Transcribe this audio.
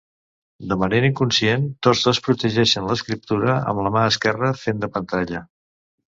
De manera inconscient, tots dos protegeixen l'escriptura amb la mà esquerra, fent de pantalla.